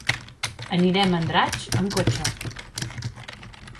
Anirem a Andratx amb cotxe.